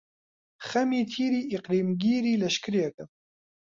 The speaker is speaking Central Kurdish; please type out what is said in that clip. خەمی تیری ئیقلیمگیری لەشکرێکە،